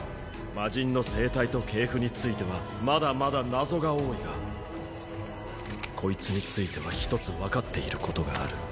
魔神の生態と系譜についてはまだまだ謎が多いがこいつについては一つ分かっていることがある。